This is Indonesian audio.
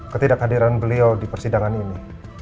ketidakhadiran beliau di persidangan ini